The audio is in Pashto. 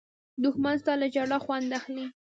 دښمن ستا له ژړا خوند اخلي